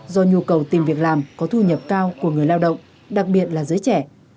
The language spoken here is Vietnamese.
do nhu cầu tìm việc làm có thu nhập cao của người lao động đặc biệt là giới trẻ